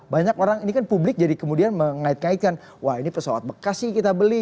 banyak orang ini kan publik jadi kemudian mengait ngaitkan wah ini pesawat bekasi kita beli